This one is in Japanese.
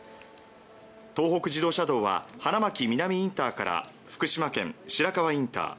東北自動車道は花巻南インターから福島県の白河ＩＣ